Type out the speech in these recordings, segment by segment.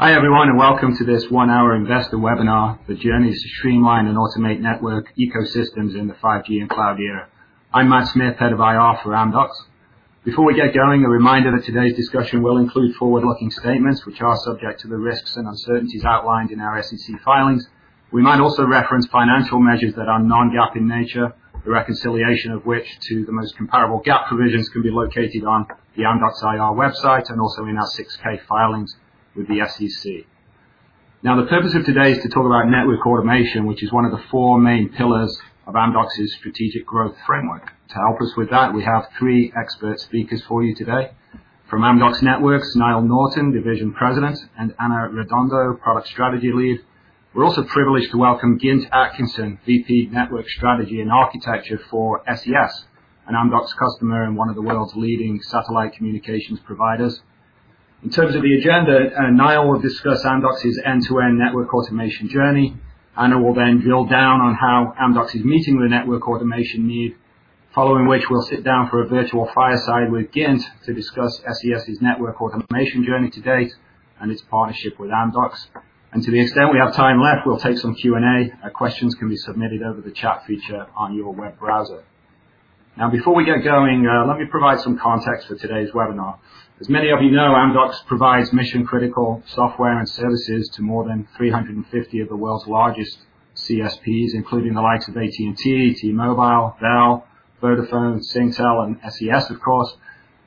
Hi, everyone, and welcome to this one-hour investor webinar for Journeys to Streamline and Automate Network Ecosystems in the 5G and Cloud Era. I'm Matt Smith, Head of IR for Amdocs. Before we get going, a reminder that today's discussion will include forward-looking statements, which are subject to the risks and uncertainties outlined in our SEC filings. We might also reference financial measures that are non-GAAP in nature, the reconciliation of which to the most comparable GAAP provisions can be located on the Amdocs IR website and also in our 6-K filings with the SEC. The purpose of today is to talk about network automation, which is one of the four main pillars of Amdocs' strategic growth framework. To help us with that, we have three expert speakers for you today. From Amdocs Networks, Niall Norton, Division President, and Ana Redondo, Product Strategy Lead. We're also privileged to welcome Gint Atkinson, VP Network Strategy and Architecture for SES, an Amdocs customer and one of the world's leading satellite communications providers. In terms of the agenda, Niall will discuss Amdocs' end-to-end network automation journey. Anna will drill down on how Amdocs is meeting the network automation need, following which, we'll sit down for a virtual fireside with Gint to discuss SES's network automation journey to date and its partnership with Amdocs. To the extent we have time left, we'll take some Q&A. Questions can be submitted over the chat feature on your web browser. Before we get going, let me provide some context for today's webinar. As many of you know, Amdocs provides mission-critical software and services to more than 350 of the world's largest CSPs, including the likes of AT&T, T-Mobile, Bell, Vodafone, Singtel, and SES, of course.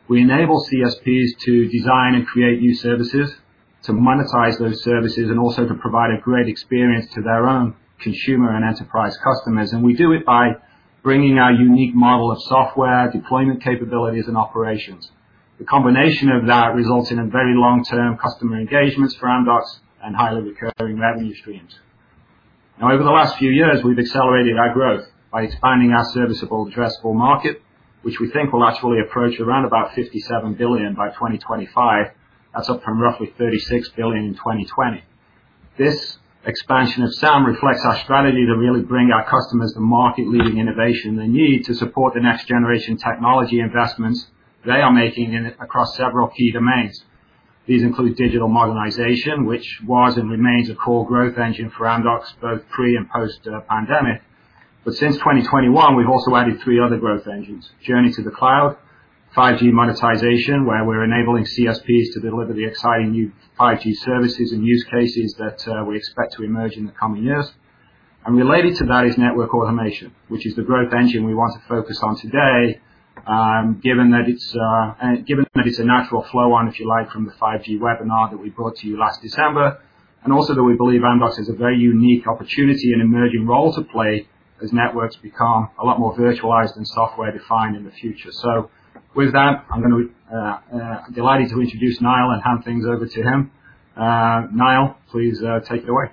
We enable CSPs to design and create new services, to monetize those services, and also to provide a great experience to their own consumer and enterprise customers. We do it by bringing our unique model of software, deployment capabilities, and operations. The combination of that results in a very long-term customer engagements for Amdocs and highly recurring revenue streams. Over the last few years, we've accelerated our growth by expanding our serviceable addressable market, which we think will actually approach around about $57 billion by 2025. That's up from roughly $36 billion in 2020. This expansion of SAM reflects our strategy to really bring our customers the market-leading innovation they need to support the next generation technology investments they are making in, across several key domains. These include digital modernization, which was and remains a core growth engine for Amdocs, both pre- and post-pandemic. Since 2021, we've also added three other growth engines: Journey to the Cloud, 5G Monetization, where we're enabling CSPs to deliver the exciting new 5G services and use cases that we expect to emerge in the coming years. Related to that is Network Automation, which is the growth engine we want to focus on today, given that it's a natural flow on, if you like, from the 5G webinar that we brought to you last December, and also that we believe Amdocs has a very unique opportunity and emerging role to play as networks become a lot more virtualized and software-defined in the future. With that, I'm going to be delighted to introduce Niall and hand things over to him. Niall, please take it away.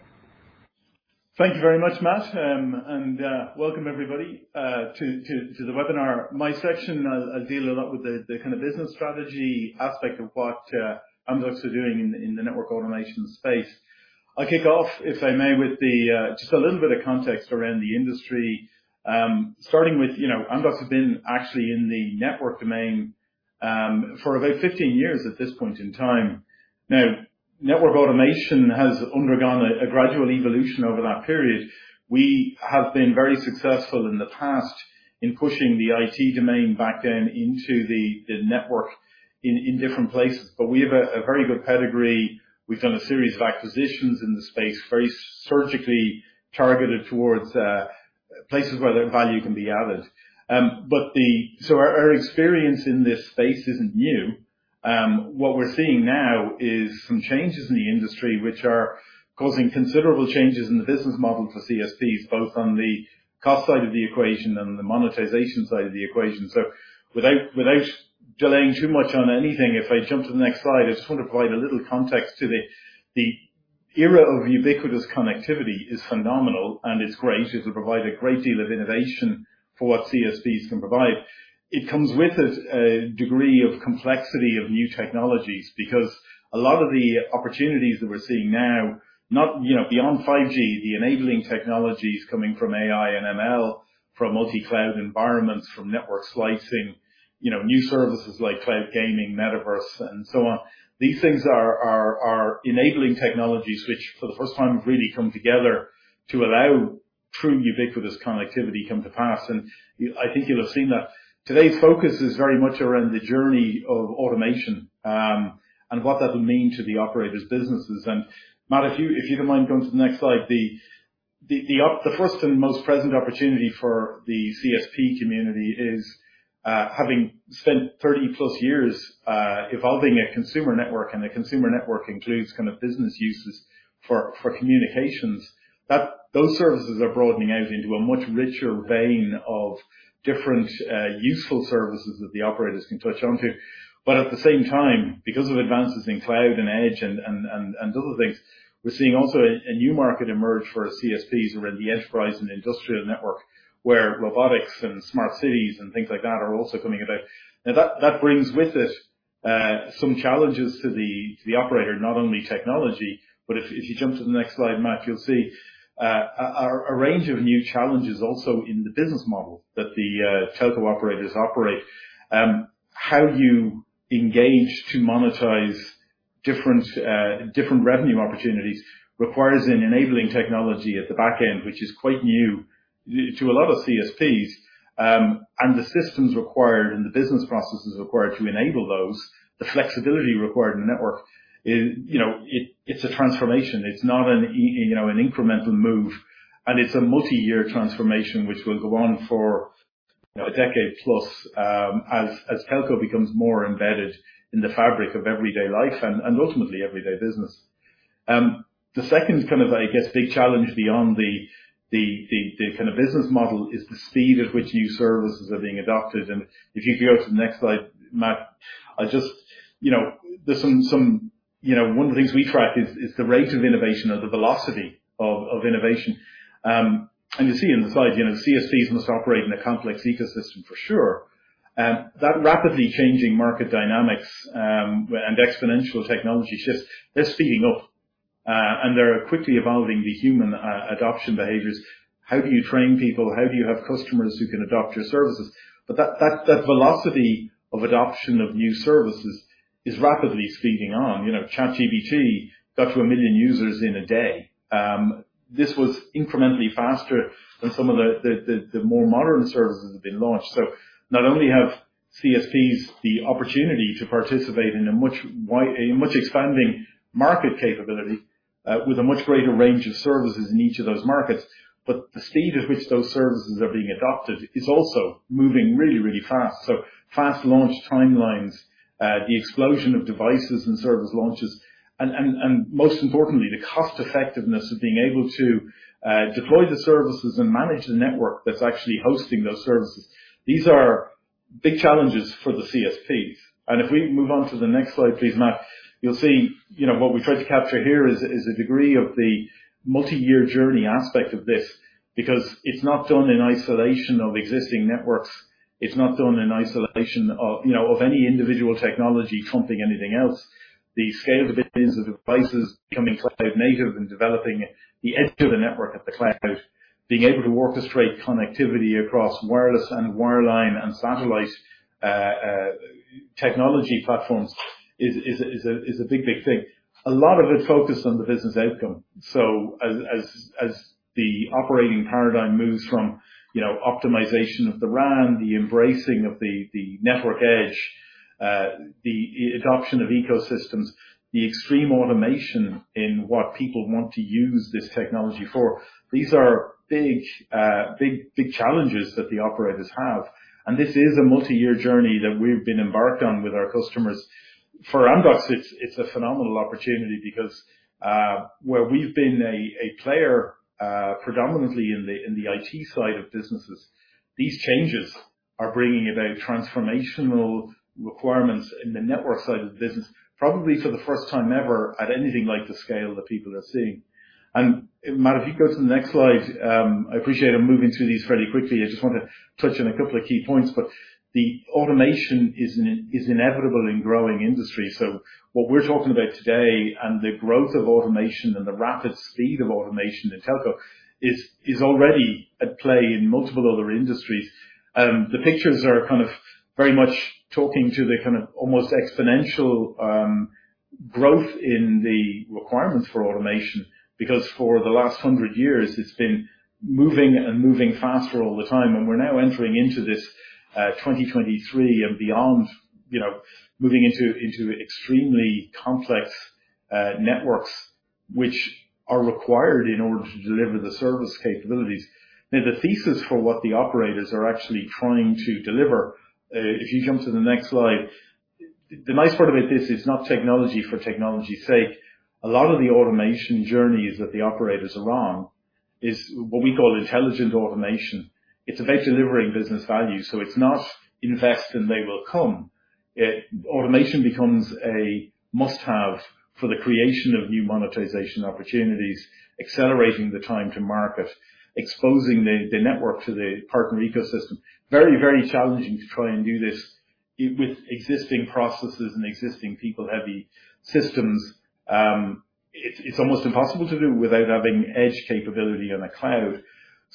Thank you very much, Matt, and welcome everybody to the webinar. My section, I'll deal a lot with the kind of business strategy aspect of what Amdocs are doing in the network automation space. I'll kick off, if I may, with just a little bit of context around the industry. Starting with, you know, Amdocs has been actually in the network domain for about 15 years at this point in time. Network automation has undergone a gradual evolution over that period. We have been very successful in the past in pushing the IT domain back then into the network in different places. We have a very good pedigree. We've done a series of acquisitions in the space, very surgically targeted towards places where the value can be added. Our experience in this space isn't new. What we're seeing now is some changes in the industry, which are causing considerable changes in the business model for CSPs, both on the cost side of the equation and the monetization side of the equation. Without delaying too much on anything, if I jump to the next slide, I just want to provide a little context. The era of ubiquitous connectivity is phenomenal, and it's great. It'll provide a great deal of innovation for what CSPs can provide. It comes with a degree of complexity of new technologies, because a lot of the opportunities that we're seeing now, not, you know, beyond 5G, the enabling technologies coming from AI and ML, from multi-cloud environments, from network slicing, you know, new services like cloud gaming, metaverse, and so on. These things are enabling technologies which, for the first time, have really come together to allow true ubiquitous connectivity come to pass. I think you'll have seen that today's focus is very much around the journey of automation, and what that will mean to the operators' businesses. Matt, if you don't mind going to the next slide. The first and most present opportunity for the CSP community is having spent 30 plus years evolving a consumer network, and the consumer network includes kind of business uses for communications, those services are broadening out into a much richer vein of different, useful services that the operators can touch onto. At the same time, because of advances in cloud and edge and other things, we're seeing also a new market emerge for our CSPs around the enterprise and industrial network, where robotics and smart cities and things like that are also coming about. That brings with it, some challenges to the operator, not only technology, but if you jump to the next slide, Matt, you'll see a range of new challenges also in the business model that the telco operators operate. How do you engage to monetize different revenue opportunities requires an enabling technology at the back end, which is quite new to a lot of CSPs, and the systems required and the business processes required to enable those, the flexibility required in the network is, you know, it's a transformation. It's not you know, an incremental move, and it's a multi-year transformation, which will go on for a decade plus, as telco becomes more embedded in the fabric of everyday life and ultimately everyday business. The second kind of, I guess, big challenge beyond the kind of business model is the speed at which new services are being adopted. If you go to the next slide, Matt, I just, you know, there's some. You know, one of the things we track is the rate of innovation or the velocity of innovation. You see in the slide, you know, CSPs must operate in a complex ecosystem for sure. That rapidly changing market dynamics, and exponential technology shifts, they're speeding up, and they're quickly evolving the human adoption behaviors. How do you train people? How do you have customers who can adopt your services? That velocity of adoption of new services is rapidly speeding on. You know, ChatGPT got to 1 million users in a day. This was incrementally faster than some of the more modern services that have been launched. Not only have CSPs the opportunity to participate in a much expanding market capability, with a much greater range of services in each of those markets, but the speed at which those services are being adopted is also moving really, really fast. Fast launch timelines, the explosion of devices and service launches, and most importantly, the cost effectiveness of being able to deploy the services and manage the network that's actually hosting those services. These are big challenges for the CSPs. If we move on to the next slide, please, Matt, you'll see, you know, what we tried to capture here is the degree of the multi-year journey aspect of this, because it's not done in isolation of existing networks. It's not done in isolation of, you know, of any individual technology trumping anything else. The scale of it is, the devices becoming cloud-native and developing the edge of the network at the cloud, being able to orchestrate connectivity across wireless and wireline and satellite technology platforms is a big thing. A lot of it focused on the business outcome. As the operating paradigm moves from, you know, optimization of the RAN, the embracing of the network edge, the adoption of ecosystems, the extreme automation in what people want to use this technology for, these are big, big challenges that the operators have. This is a multi-year journey that we've been embarked on with our customers. For Amdocs, it's a phenomenal opportunity because where we've been a player predominantly in the IT side of businesses, these changes are bringing about transformational requirements in the network side of the business, probably for the first time ever, at anything like the scale that people are seeing. Matt, if you go to the next slide, I appreciate I'm moving through these fairly quickly. I just want to touch on a couple of key points. The automation is inevitable in growing industry. What we're talking about today and the growth of automation and the rapid speed of automation in telco is already at play in multiple other industries. The pictures are kind of very much talking to the kind of almost exponential growth in the requirement for automation, because for the last 100 years, it's been moving and moving faster all the time, and we're now entering into this 2023 and beyond, you know, moving into extremely complex networks, which are required in order to deliver the service capabilities. The thesis for what the operators are actually trying to deliver, if you jump to the next slide. The nice part about this is not technology for technology's sake. A lot of the automation journeys that the operators are on is what we call intelligent automation. It's about delivering business value. It's not invest and they will come. Automation becomes a must-have for the creation of new monetization opportunities, accelerating the time to market, exposing the network to the partner ecosystem. Very challenging to try and do this with existing processes and existing people-heavy systems. It's almost impossible to do without having edge capability on the cloud.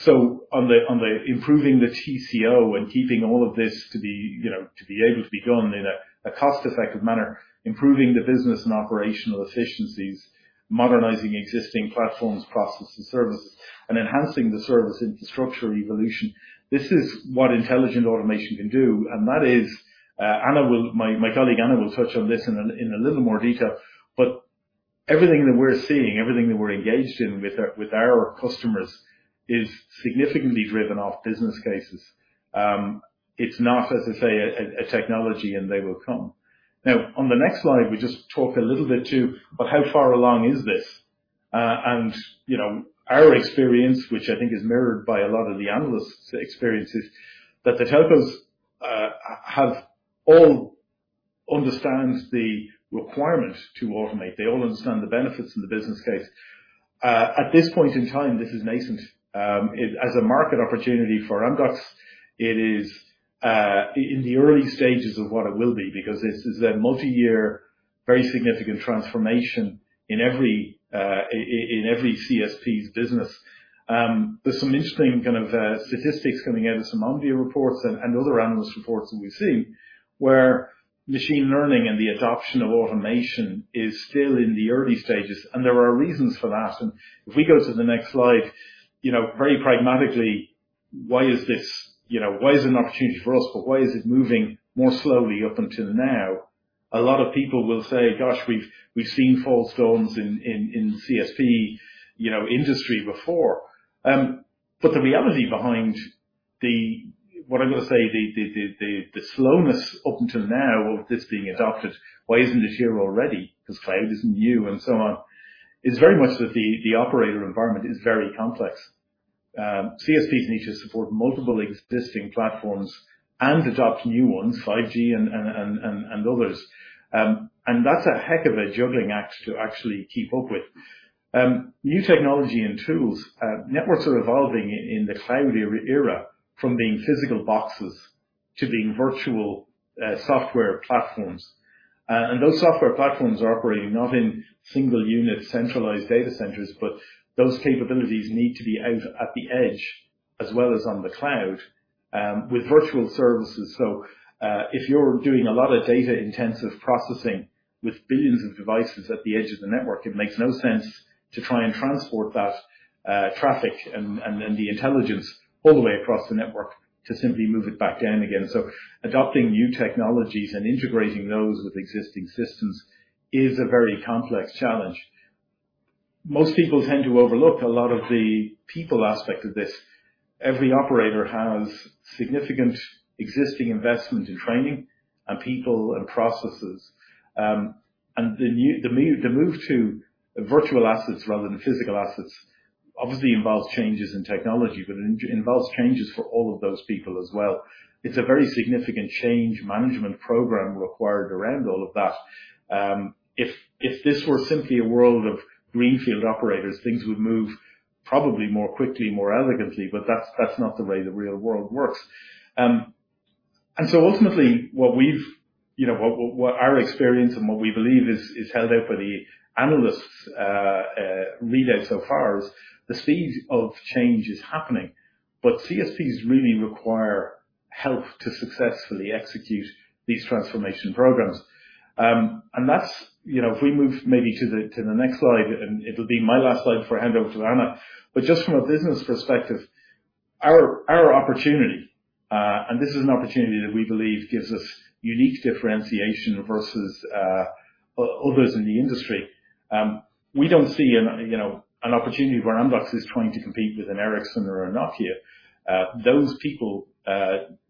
On the improving the TCO and keeping all of this to be able to be done in a cost-effective manner, improving the business and operational efficiencies, modernizing existing platforms, processes, and service, and enhancing the service infrastructure evolution. This is what intelligent automation can do. My colleague, Ana, will touch on this in a little more detail, but everything that we're seeing, everything that we're engaged in with our, with our customers, is significantly driven off business cases. It's not, as I say, a technology, and they will come. On the next slide, we just talk a little bit too about how far along is this? You know, our experience, which I think is mirrored by a lot of the analysts' experiences, that the telcos have all understand the requirement to automate. They all understand the benefits and the business case. At this point in time, this is nascent. As a market opportunity for Amdocs, it is in the early stages of what it will be, because this is a multi-year, very significant transformation in every CSP's business. There's some interesting kind of statistics coming out of some. Omdia reports and other analyst reports that we've seen, where machine learning and the adoption of automation is still in the early stages, and there are reasons for that. If we go to the next slide. You know, very pragmatically, why is this, you know, why is it an opportunity for us, but why is it moving more slowly up until now? A lot of people will say, "Gosh, we've seen false dawns in CSP, you know, industry before." The reality behind what I'm gonna say, the slowness up until now of this being adopted, why isn't it here already? Because cloud isn't new, and so on, is very much that the operator environment is very complex. CSPs need to support multiple existing platforms and adopt new ones, 5G and others. That's a heck of a juggling act to actually keep up with. New technology and tools, networks are evolving in the cloud era from being physical boxes to being virtual software platforms. Those software platforms are operating not in single unit, centralized data centers, but those capabilities need to be out at the edge as well as on the cloud with virtual services. If you're doing a lot of data-intensive processing with billions of devices at the edge of the network, it makes no sense to try and transport that traffic and then the intelligence all the way across the network to simply move it back down again. Adopting new technologies and integrating those with existing systems is a very complex challenge. Most people tend to overlook a lot of the people aspect of this. Every operator has significant existing investment in training and people and processes. The move to virtual assets rather than physical assets, obviously involves changes in technology, but it involves changes for all of those people as well. It's a very significant change management program required around all of that. If this were simply a world of greenfield operators, things would move probably more quickly, more elegantly, but that's not the way the real world works. Ultimately, what we've, you know, what our experience and what we believe is held out for the analysts readout so far is the speed of change is happening, but CSPs really require help to successfully execute these transformation programs. That's, you know, if we move maybe to the next slide, and it'll be my last slide before I hand over to Ana. Just from a business perspective, our opportunity, and this is an opportunity that we believe gives us unique differentiation versus others in the industry. We don't see an, you know, an opportunity where Amdocs is trying to compete with an Ericsson or a Nokia. Those people,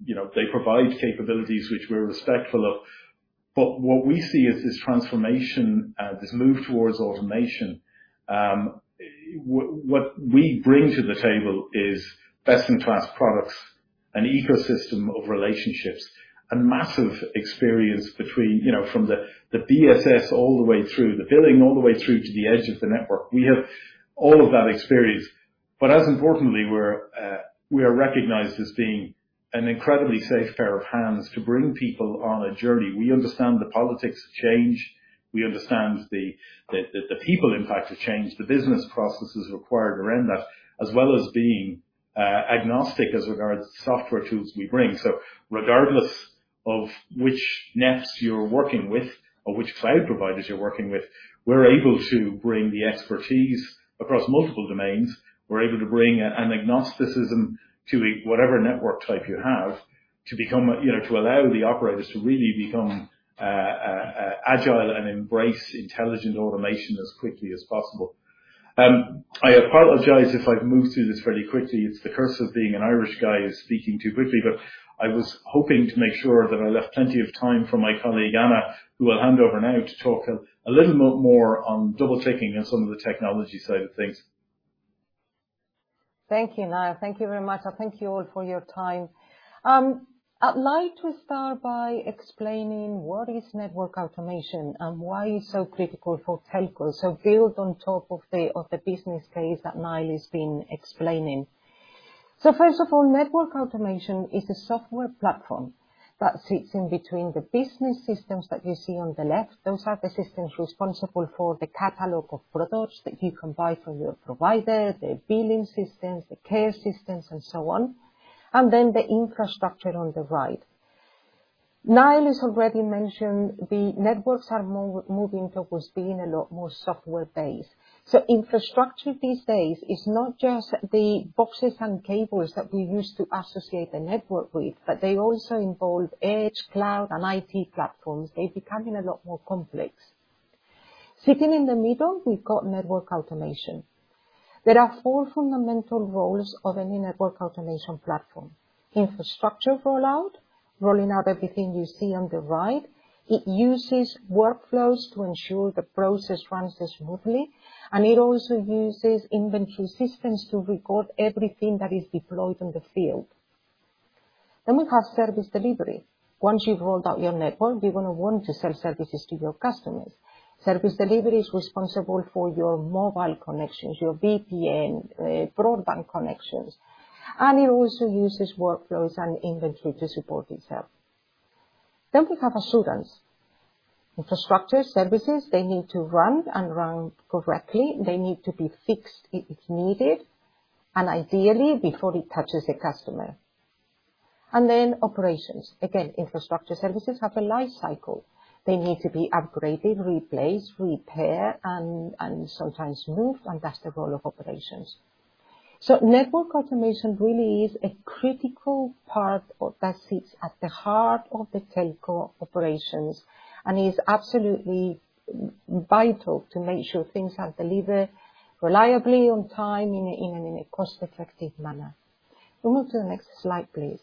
you know, they provide capabilities which we're respectful of, but what we see is this transformation, this move towards automation. What we bring to the table is best-in-class products, an ecosystem of relationships, and massive experience between, you know, from the BSS all the way through the billing, all the way through to the edge of the network. We have all of that experience, as importantly, we're, we are recognized as being an incredibly safe pair of hands to bring people on a journey. We understand the politics of change, we understand the people impact of change, the business processes required around that, as well as being agnostic as regards the software tools we bring. Regardless of which NEPs you're working with or which cloud providers you're working with, we're able to bring the expertise across multiple domains. We're able to bring an agnosticism to whatever network type you have, to become, you know, to allow the operators to really become agile and embrace intelligent automation as quickly as possible. I apologize if I've moved through this fairly quickly. It's the curse of being an Irish guy who's speaking too quickly. I was hoping to make sure that I left plenty of time for my colleague, Ana, who I'll hand over now to talk a little more on double-clicking on some of the technology side of things. Thank you, Niall. Thank you very much, and thank you all for your time. I'd like to start by explaining what is network automation and why it's so critical for telcos. Build on top of the business case that Niall has been explaining. First of all, network automation is a software platform that sits in between the business systems that you see on the left. Those are the systems responsible for the catalog of products that you can buy from your provider, the billing systems, the care systems, and so on, and then the infrastructure on the right. Niall has already mentioned the networks are moving towards being a lot more software-based. Infrastructure these days is not just the boxes and cables that we used to associate the network with, but they also involve edge, cloud, and IT platforms. They're becoming a lot more complex. Sitting in the middle, we've got network automation. There are four fundamental roles of any network automation platform: infrastructure rollout, rolling out everything you see on the right. It uses workflows to ensure the process runs smoothly, and it also uses inventory systems to record everything that is deployed in the field. We have service delivery. Once you've rolled out your network, you're going to want to sell services to your customers. Service delivery is responsible for your mobile connections, your VPN, broadband connections, and it also uses workflows and inventory to support itself. We have assurance. Infrastructure, services, they need to run and run correctly. They need to be fixed if needed, and ideally, before it touches the customer. Operations. Again, infrastructure services have a life cycle. They need to be upgraded, replaced, repaired, and sometimes moved, and that's the role of operations. Network automation really is a critical part that sits at the heart of the telco operations, and is absolutely vital to make sure things are delivered reliably, on time, in a cost-effective manner. We move to the next slide, please.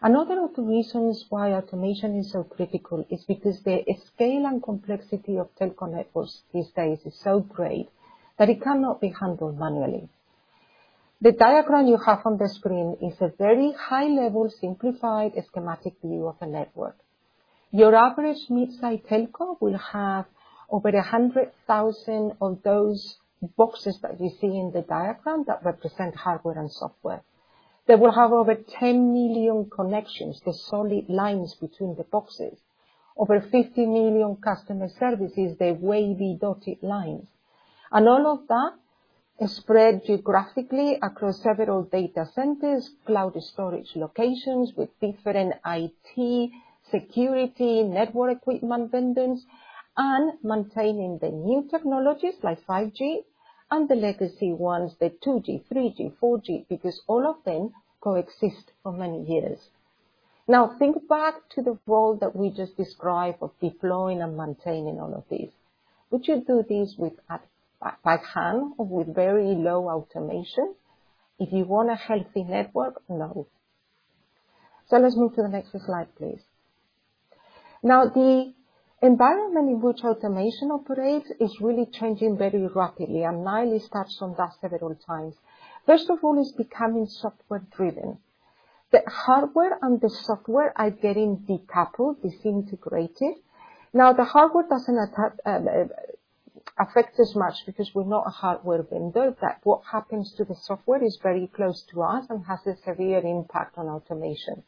Another of the reasons why automation is so critical is because the scale and complexity of telco networks these days is so great that it cannot be handled manually. The diagram you have on the screen is a very high-level, simplified, schematic view of a network. Your average mid-size telco will have over 100,000 of those boxes that you see in the diagram, that represent hardware and software. They will have over 10 million connections, the solid lines between the boxes, over 50 million customer services, the wavy dotted lines. All of that is spread geographically across several data centers, cloud storage locations with different IT, security, network equipment vendors, and maintaining the new technologies like 5G and the legacy ones, the 2G, 3G, 4G, because all of them coexist for many years. Think back to the role that we just described of deploying and maintaining all of this. Would you do this with by hand or with very low automation? If you want a healthy network, no. Let's move to the next slide, please. The environment in which automation operates is really changing very rapidly, and Niall touched on that several times. First of all, it's becoming software driven. The hardware and the software are getting decoupled, disintegrated. The hardware doesn't affect us much because we're not a hardware vendor, but what happens to the software is very close to us and has a severe impact on automation.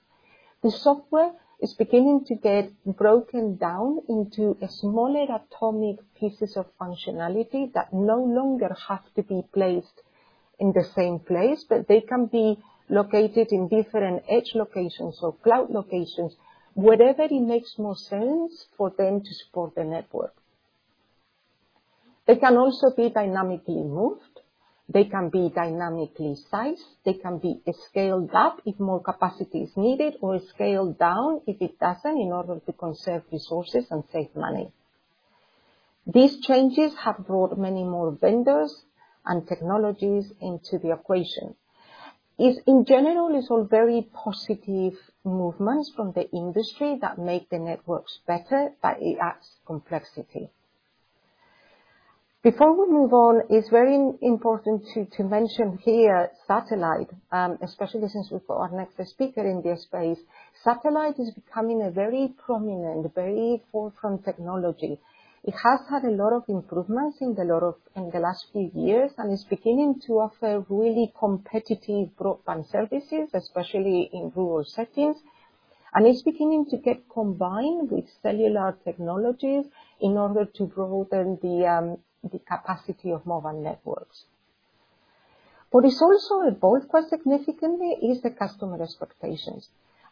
The software is beginning to be broken down into smaller atomic pieces of functionality that no longer have to be placed in the same place, but they can be located in different edge locations or cloud locations, wherever it makes more sense for them to support the network. They can also be dynamically moved, they can be dynamically sized, they can be scaled up if more capacity is needed, or scaled down if it isn't, in order to conserve resources and save money. These changes have brought many more vendors and technologies into the equation. In general, it's all very positive movements from the industry that make the networks better, but it adds complexity. Before we move on, it's very important to mention here that satellite, especially since we've got our next speaker in this space. Satellite is becoming a very prominent, very forefront technology. It has had a lot of improvements in the last few years, and it's beginning to offer really competitive broadband services, especially in rural settings. It's beginning to get combined with cellular technologies in order to broaden the capacity of mobile networks. What is also evolved quite significantly is the customer expectations.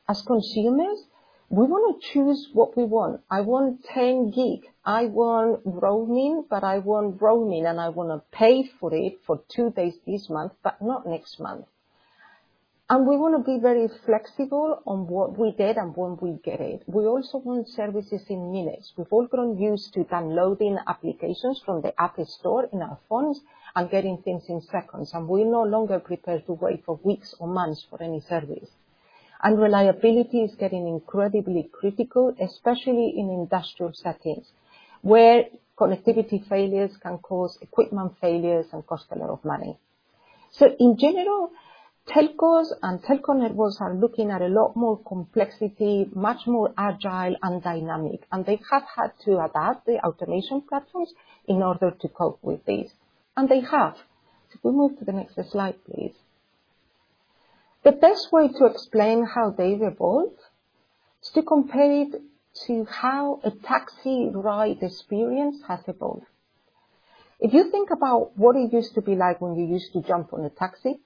As consumers, we want to choose what we want. I want 10 Gig, I want roaming, but I want roaming, and I want to pay for it for two days this month, but not next month. We want to be very flexible on what we get and when we get it. We also want services in minutes. We've all grown used to downloading applications from the app store in our phones and getting things in seconds. We're no longer prepared to wait for weeks or months for any service. Reliability is getting incredibly critical, especially in industrial settings, where connectivity failures can cause equipment failures and cost a lot of money. In general, telcos and telco networks are looking at a lot more complexity, much more agile and dynamic, and they have had to adapt the automation platforms in order to cope with this, and they have. We move to the next slide, please. The best way to explain how they evolved is to compare it to how a taxi ride experience has evolved. You think about what it used to be like when you used to jump on a taxi,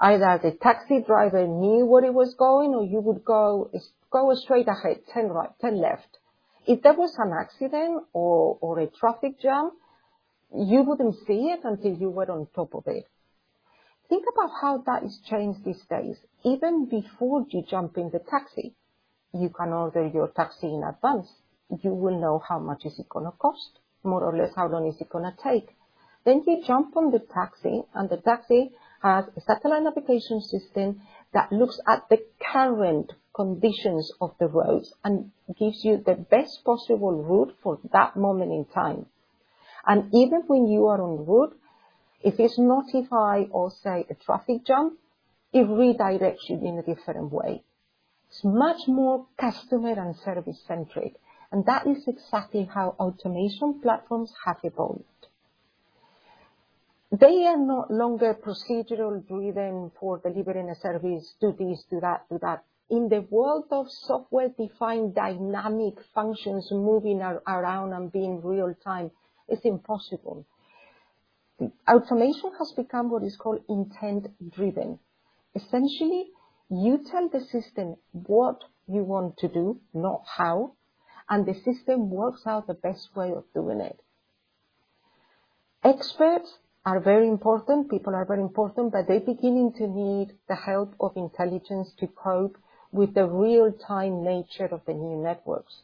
either the taxi driver knew where he was going, or you would go, "Go straight ahead, turn right, turn left." There was an accident or a traffic jam, you wouldn't see it until you were on top of it. Think about how that has changed these days. Even before you jump in the taxi, you can order your taxi in advance. You will know how much is it gonna cost, more or less, how long is it gonna take. You jump on the taxi, and the taxi has a satellite navigation system that looks at the current conditions of the roads and gives you the best possible route for that moment in time. Even when you are on route, if it's notify or, say, a traffic jam, it redirects you in a different way. It's much more customer and service-centric. That is exactly how automation platforms have evolved. They are no longer procedural driven for delivering a service, "Do this, do that, do that." In the world of software-defined dynamic functions, moving around and being real time, it's impossible. Automation has become what is called intent-driven. Essentially, you tell the system what you want to do, not how, and the system works out the best way of doing it. Experts are very important, people are very important. They're beginning to need the help of intelligence to cope with the real-time nature of the new networks.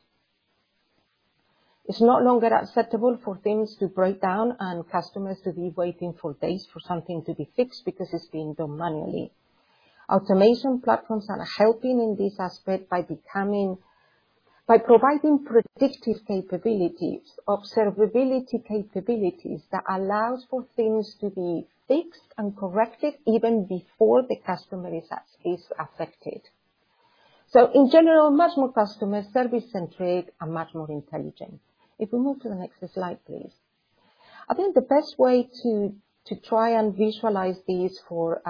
It's no longer acceptable for things to break down and customers to be waiting for days for something to be fixed because it's being done manually. Automation platforms are helping in this aspect by providing predictive capabilities, observability capabilities, that allows for things to be fixed and corrected even before the customer is affected. In general, much more customer service-centric and much more intelligent. If we move to the next slide, please. I think the best way to try and visualize this for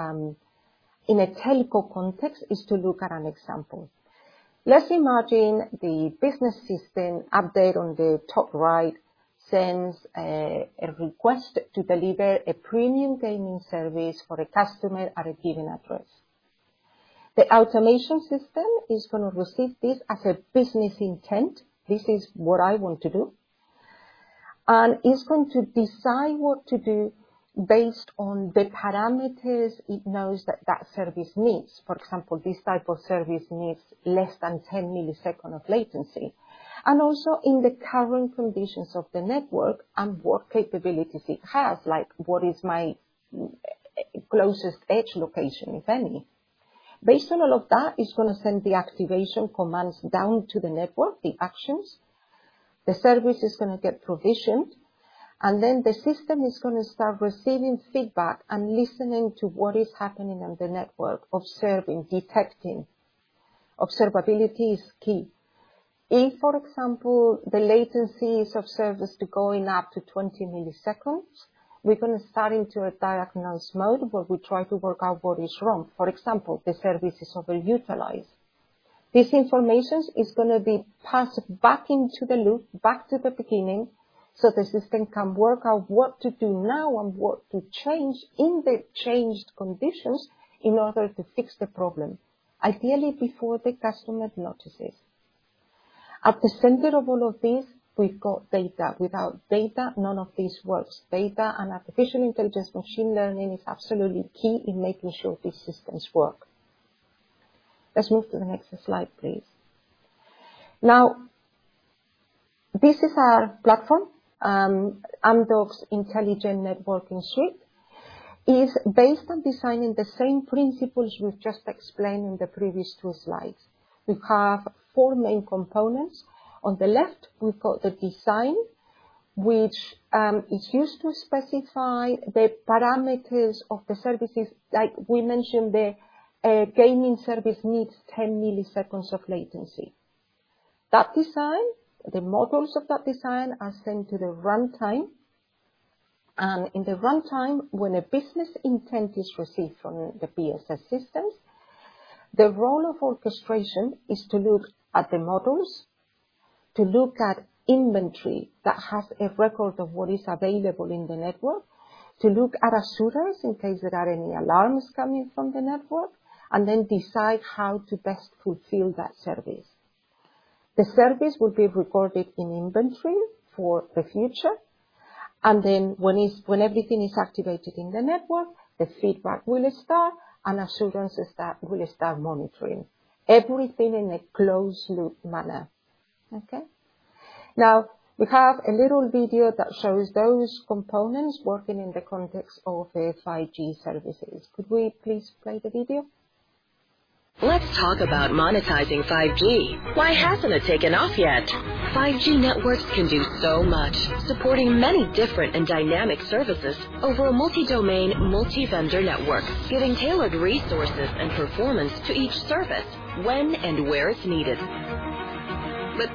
in a telco context, is to look at an example. Let's imagine the business system update on the top right sends a request to deliver a premium gaming service for a customer at a given address. The automation system is gonna receive this as a business intent, "This is what I want to do," it's going to decide what to do based on the parameters it knows that that service needs. For example, this type of service needs less than 10-millisecond latency, and also in the current conditions of the network and what capabilities it has, like, "What is my closest edge location, if any?" Based on all of that, it's gonna send the activation commands down to the network, the actions. The service is gonna get provisioned. Then the system is gonna start receiving feedback and listening to what is happening on the network, observing, detecting. Observability is key. If, for example, the latencies of service to going up to 20-millisecond, we're gonna start into a diagnose mode, where we try to work out what is wrong. For example, the service is overutilized. This information is gonna be passed back into the loop, back to the beginning, so the system can work out what to do now and what to change in the changed conditions in order to fix the problem, ideally before the customer notices. At the center of all of this, we've got data. Without data, none of this works. Data and artificial intelligence, machine learning, is absolutely key in making sure these systems work. Let's move to the next slide, please. Now, this is our platform. Amdocs Intelligent Networking Suite is based on designing the same principles we've just explained in the previous two slides. We have four main components. On the left, we've got the design, which is used to specify the parameters of the services. Like we mentioned, the gaming service needs 10-millisecond latency. That design, the models of that design, are sent to the runtime. In the runtime, when a business intent is received from the BSS systems, the role of orchestration is to look at the models, to look at inventory that has a record of what is available in the network, to look at assurance in case there are any alarms coming from the network, and then decide how to best fulfill that service. The service will be recorded in inventory for the future. When everything is activated in the network, the feedback will start and assurance will start monitoring. Everything in a closed-loop manner. Okay. We have a little video that shows those components working in the context of 5G services. Could we please play the video? Let's talk about monetizing 5G. Why hasn't it taken off yet? 5G networks can do so much, supporting many different and dynamic services over a multi-domain, multi-vendor network, giving tailored resources and performance to each service, when and where it's needed.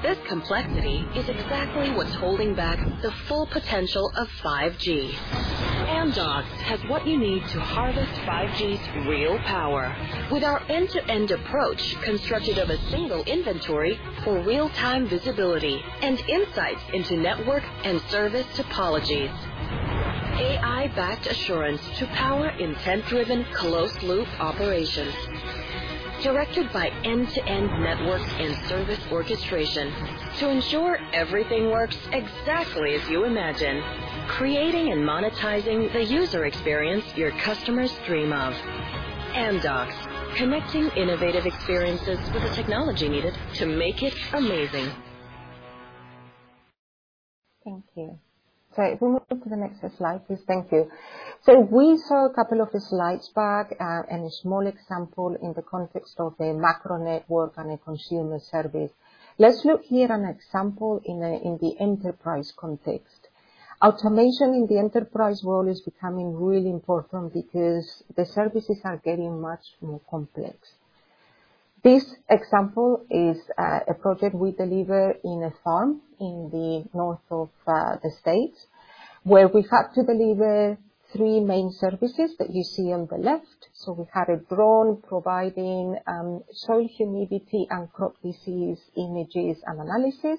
This complexity is exactly what's holding back the full potential of 5G. Amdocs has what you need to harvest 5G's real power. With our end-to-end approach, constructed of a single inventory for real-time visibility and insights into network and service topologies. AI-backed assurance to power intent-driven, closed-loop operations, directed by end-to-end network and service orchestration to ensure everything works exactly as you imagine, creating and monetizing the user experience your customers dream of. Amdocs, connecting innovative experiences with the technology needed to make it amazing. Thank you. If we move to the next slide, please. Thank you. We saw a couple of slides back, and a small example in the context of a macro network and a consumer service. Let's look here an example in the enterprise context. Automation in the enterprise world is becoming really important because the services are getting much more complex. This example is a project we deliver in a farm in the north of the States, where we had to deliver three main services that you see on the left. We had a drone providing soil humidity and crop disease images and analysis.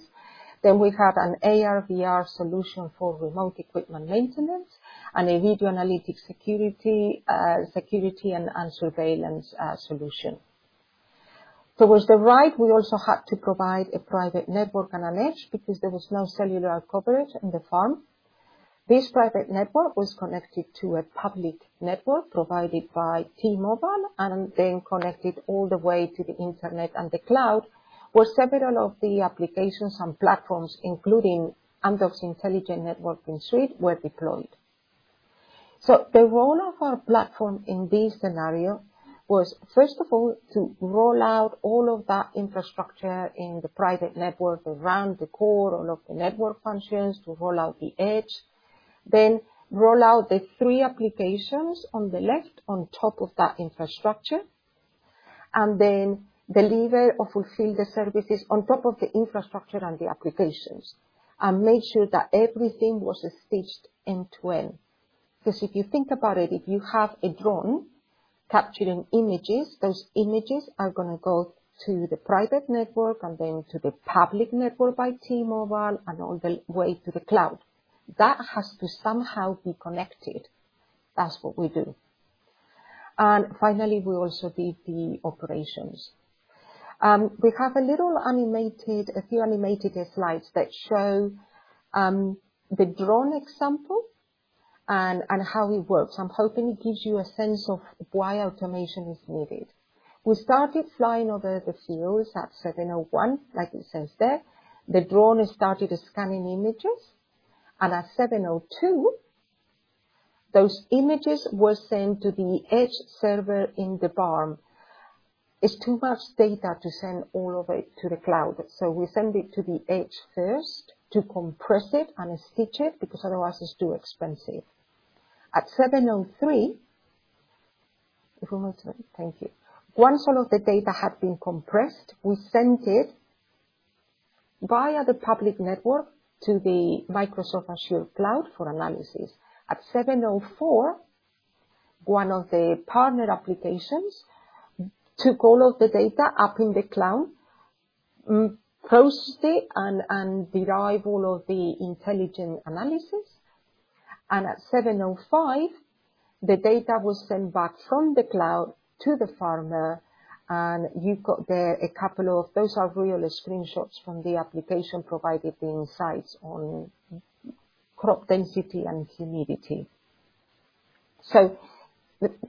We had an AR/VR solution for remote equipment maintenance and a video analytics security and surveillance solution. Towards the right, we also had to provide a private network and an edge, because there was no cellular coverage in the farm. This private network was connected to a public network provided by T-Mobile. Then connected all the way to the internet and the cloud, where several of the applications and platforms, including Amdocs Intelligent Networking Suite, were deployed. The role of our platform in this scenario was, first of all, to roll out all of that infrastructure in the private network around the core, all of the network functions, to roll out the edge. Roll out the three applications on the left, on top of that infrastructure. Then deliver or fulfill the services on top of the infrastructure and the applications. Make sure that everything was stitched end-to-end. Because if you think about it, if you have a drone capturing images, those images are gonna go to the private network and then to the public network by T-Mobile, and all the way to the cloud. That has to somehow be connected. That's what we do. Finally, we also did the operations. We have a little animated, a few animated slides that show the drone example and how it works. I'm hoping it gives you a sense of why automation is needed. We started flying over the fields at 7:01, as it says there. The drone started scanning images, and at 7:02, those images were sent to the edge server in the farm. It's too much data to send all of it to the cloud, so we send it to the edge first to compress it and stitch it, because otherwise it's too expensive. At 7:03. Thank you. Once all of the data had been compressed, we sent it via the public network to the Microsoft Azure cloud for analysis. At 7:04, one of the partner applications took all of the data up in the cloud, processed it, and derived all of the intelligent analysis. At 7:05, the data was sent back from the cloud to the farmer, and you've got there a couple of. Those are real screenshots from the application, providing insights on crop density and humidity.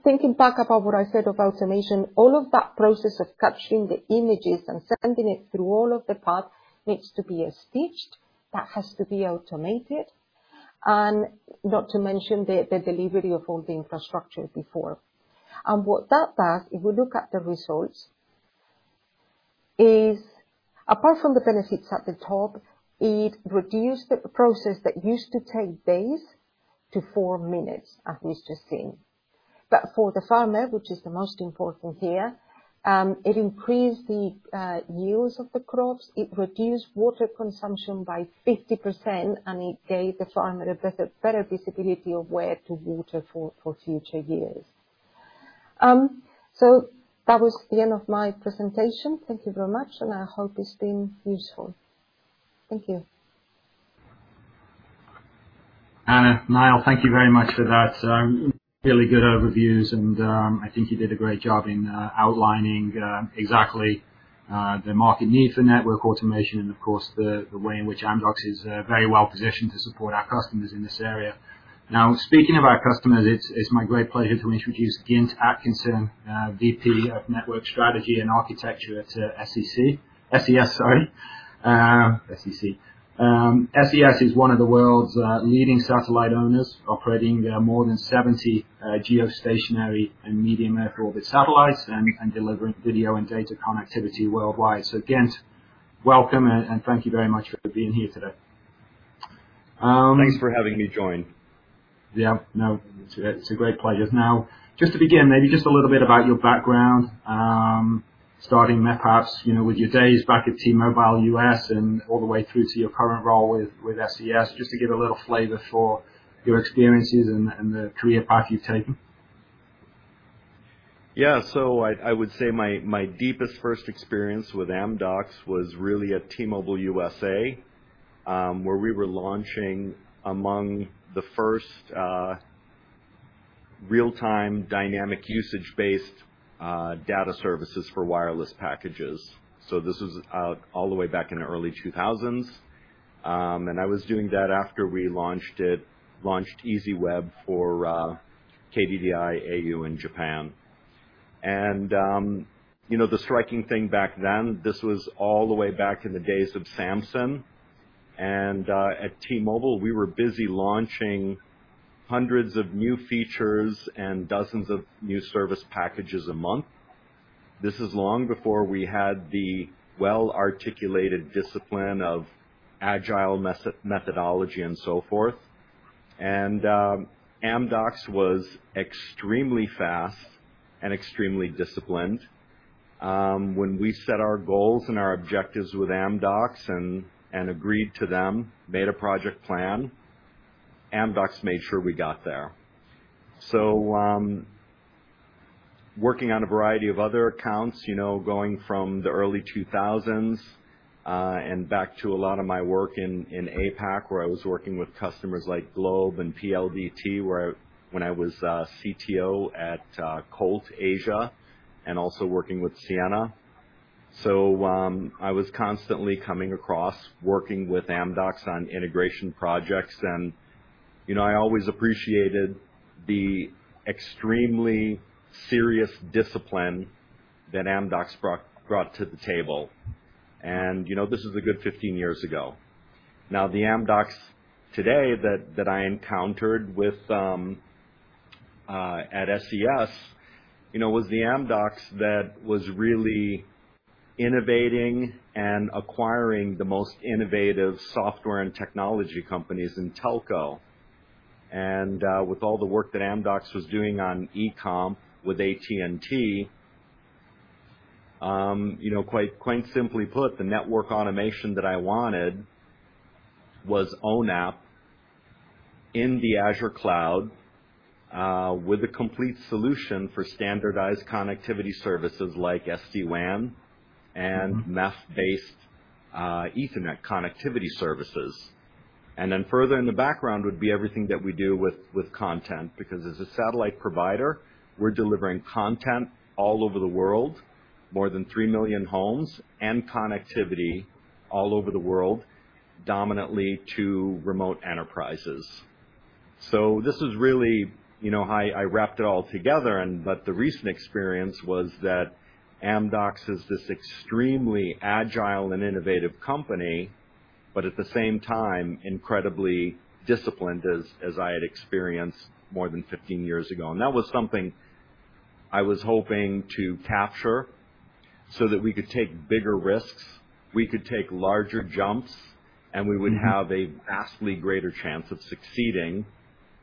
Thinking back about what I said about automation, all of that process of capturing the images and sending it through all of the path needs to be stitched. That has to be automated, and not to mention the delivery of all the infrastructure before. What that does, if we look at the results, is apart from the benefits at the top, it reduced the process that used to take days to four minutes, as we've just seen. For the farmer, which is the most important here, it increased the yields of the crops, it reduced water consumption by 50%, and it gave the farmer a better visibility of where to water for future years. That was the end of my presentation. Thank you very much, and I hope it's been useful. Thank you. Ana, Niall, thank you very much for that. Really good overviews, I think you did a great job in outlining exactly the market need for network automation, and of course, the way in which Amdocs is very well positioned to support our customers in this area. Speaking of our customers, it's my great pleasure to introduce Gint Atkinson, VP of Network Strategy and Architecture at SCC. SES, sorry. SCC. SES is one of the world's leading satellite owners, operating more than 70 geostationary and medium earth orbit satellites and delivering video and data connectivity worldwide. Gint, welcome and thank you very much for being here today. Thanks for having me join. No, it's a, it's a great pleasure. Just to begin, maybe just a little bit about your background. Starting perhaps, you know, with your days back at T-Mobile U.S. and all the way through to your current role with SES, just to give a little flavor for your experiences and the career path you've taken. Yeah. I would say my deepest first experience with Amdocs was really at T-Mobile U.S.A., where we were launching among the first real-time dynamic usage-based data services for wireless packages. This is all the way back in the early 2000s. I was doing that after we launched EZweb for KDDI, au, and Japan. You know, the striking thing back then, this was all the way back in the days of Samsung, and at T-Mobile, we were busy launching hundreds of new features and dozens of new service packages a month. This is long before we had the well-articulated discipline of Agile methodology and so forth. Amdocs was extremely fast and extremely disciplined. When we set our goals and our objectives with Amdocs and agreed to them, made a project plan, Amdocs made sure we got there. Working on a variety of other accounts, you know, going from the early 2000s, and back to a lot of my work in APAC, where I was working with customers like Globe and PLDT, when I was CTO at Colt Asia, and also working with Ciena. I was constantly coming across working with Amdocs on integration projects, and, you know, I always appreciated the extremely serious discipline that Amdocs brought to the table. You know, this is a good 15 years ago. The Amdocs today that I encountered with at SES, you know, was the Amdocs that was really innovating and acquiring the most innovative software and technology companies in Telco. With all the work that Amdocs was doing on ECOMP with AT&T, you know, quite simply put, the network automation that I wanted was ONAP in the Azure cloud with a complete solution for standardized connectivity services like SD-WAN and MEF-based Ethernet connectivity services. Further in the background would be everything that we do with content, because as a satellite provider, we're delivering content all over the world, more than 3 million homes, and connectivity all over the world, dominantly to remote enterprises. This is really, you know, how I wrapped it all together. The recent experience was that Amdocs is this extremely agile and innovative company, but at the same time, incredibly disciplined, as I had experienced more than 15 years ago. That was something I was hoping to capture so that we could take bigger risks, we could take larger jumps, and we would have a vastly greater chance of succeeding,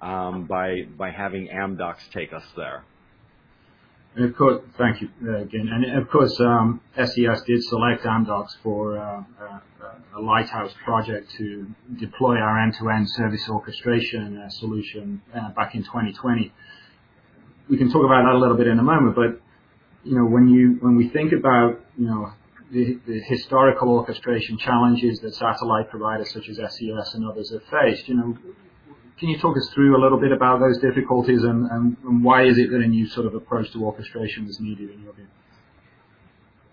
by having Amdocs take us there. Of course. Thank you, Gint. Of course, SES did select Amdocs for a lighthouse project to deploy our end-to-end service orchestration solution back in 2020. We can talk about that a little bit in a moment, but, you know, when we think about, you know, the historical orchestration challenges that satellite providers such as SES and others have faced, you know, can you talk us through a little bit about those difficulties and why is it that a new sort of approach to orchestration is needed in your view?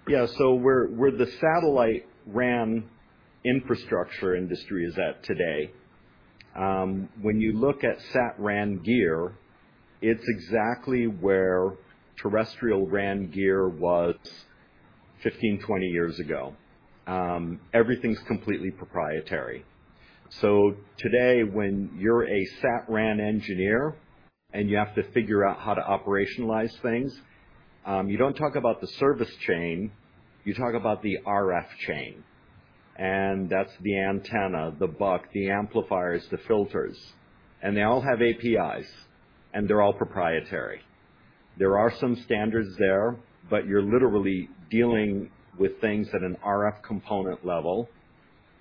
Yeah. Where the satellite Sat RAN infrastructure industry is at today, when you look at Sat-RAN gear, it's exactly where terrestrial RAN gear was 15 to20 years ago. Everything's completely proprietary. Today, when you're a Sat-RAN engineer, and you have to figure out how to operationalize things, you don't talk about the service chain you talk about the RF chain. That's the antenna, the buck, the amplifiers, the filters, and they all have APIs, and they're all proprietary. There are some standards there, but you're literally dealing with things at an RF component level,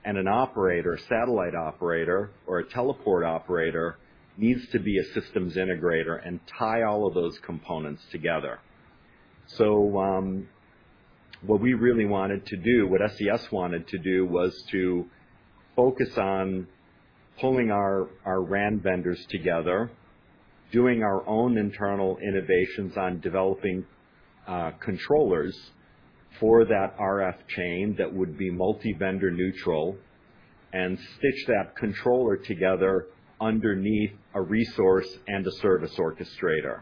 and an operator, satellite operator, or a teleport operator needs to be a systems integrator and tie all of those components together. What we really wanted to do, what SES wanted to do, was to focus on pulling our RAN vendors together, doing our own internal innovations on developing controllers for that RF chain that would be multi-vendor neutral, and stitch that controller together underneath a resource and a service orchestrator.